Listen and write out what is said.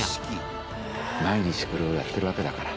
毎日これをやってるわけだから。